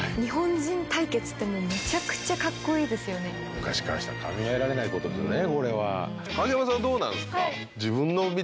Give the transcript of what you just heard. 昔からしたら考えられないことですよね。